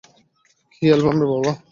কী অ্যালবামরে বাবা!